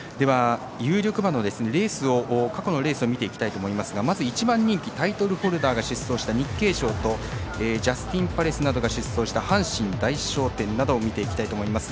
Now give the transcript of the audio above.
有力馬の過去のレースを見ていきたいと思いますが１番人気タイトルホルダーが出走した日経賞とジャスティンパレスなどが出走した阪神大賞典などを見ていきたいと思います。